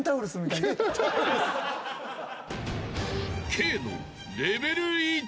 ［Ｋの］